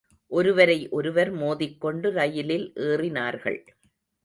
ஒருவரை ஒருவர் மோதிக்கொண்டு ரயிலில் ஏறினார்கள்.